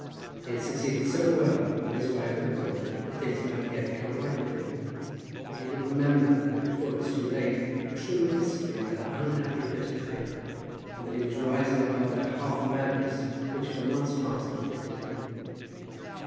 He had succeeded so well that his wife had thought that things might yet come right with him, that he would remember, before it was too late, the true history of that unhappy bit of paper, and that he was rising above that half madness which for months past had afflicted him.